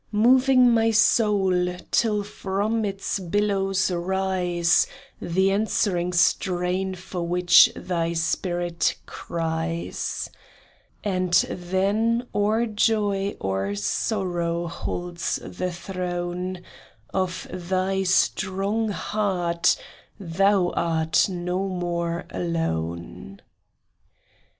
Moving my soul till from its billows rise The answering strain for which thy spirit cries, And then, or joy, or sorrow holds the throne Of thy strong heart, thou art no more alone.